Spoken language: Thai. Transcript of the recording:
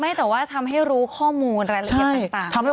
แต่ว่าทำให้รู้ข้อมูลรายละเอียดต่าง